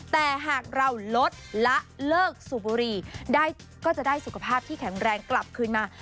แต่หากเราลดละเลิกสูบบุรีก็จะได้สุขภาพที่แข็งแรงกลับคืนมา